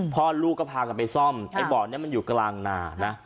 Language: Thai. พอลูกก็พากันไปซ่อมอี้บอดอยู่กลางหนานะ